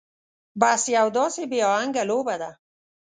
بس يو داسې بې اهنګه لوبه ده.